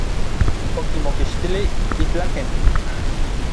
Okimokixtilij n itlaken.